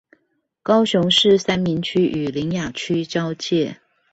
高雄市三民區與苓雅區交界